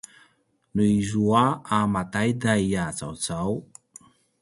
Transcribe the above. nu izua a mantaiday a cawcau